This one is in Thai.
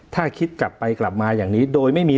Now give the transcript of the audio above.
ถ้าคิดกลับไปกลับมาอย่างนี้โดยไม่มี